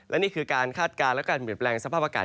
และนี่คือการคาดการณ์และการเปลี่ยนแปลงสภาพอากาศ